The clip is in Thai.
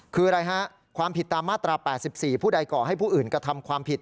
คืออะไรฮะความผิดตามมาตรา๘๔ผู้ใดก่อให้ผู้อื่นกระทำความผิด